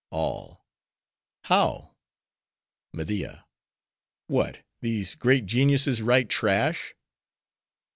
ALL—How? MEDIA—What! these great geniuses writing trash?